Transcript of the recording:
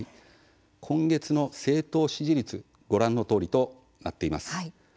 今月の政党支持率ご覧のとおりとなっています。